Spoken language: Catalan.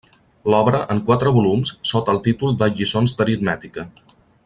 L'obra, en quatre volums, sota el títol de Lliçons d'aritmètica.